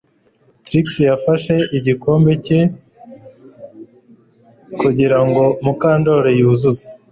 Trix yafashe igikombe cye kugirango Mukandoli yuzuze